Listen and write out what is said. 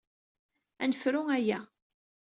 Ad nefru aya.